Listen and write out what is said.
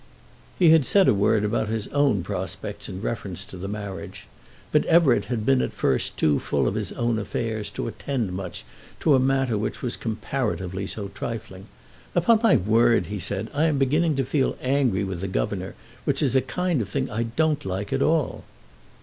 He had said a word about his own prospects in reference to the marriage, but Everett had been at first too full of his own affairs to attend much to a matter which was comparatively so trifling. "Upon my word," he said, "I am beginning to feel angry with the governor, which is a kind of thing I don't like at all."